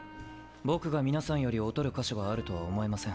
僕が皆さんより劣る箇所があるとは思えません。